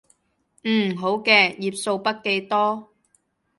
嗯，好嘅，頁數筆記多